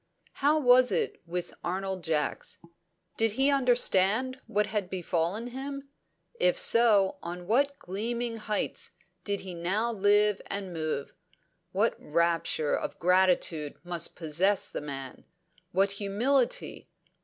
How was it with Arnold Jacks? Did he understand what had befallen him? If so, on what gleaming heights did he now live and move! What rapture of gratitude must possess the man! What humility!